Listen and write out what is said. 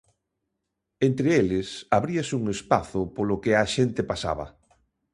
Entre eles abríase un espazo polo que a xente pasaba.